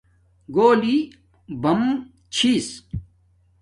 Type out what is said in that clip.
گھولی بم چھس